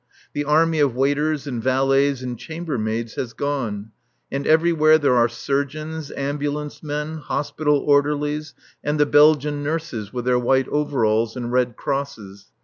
The army of waiters and valets and chambermaids has gone, and everywhere there are surgeons, ambulance men, hospital orderlies and the Belgian nurses with their white overalls and red crosses.